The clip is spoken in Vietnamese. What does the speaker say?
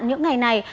những ngày này